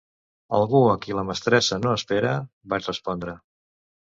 "Algú a qui la mestressa no espera," vaig respondre.